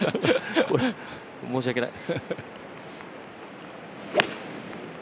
申し訳ない。